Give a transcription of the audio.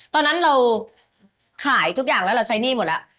ตอนนั้นเราขายทุกอย่างแล้วเราใช้หนี้หมดแล้ว